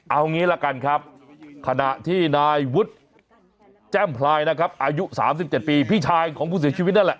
เอางี้ละกันครับขณะที่นายวุฒิแจ้มพลายนะครับอายุ๓๗ปีพี่ชายของผู้เสียชีวิตนั่นแหละ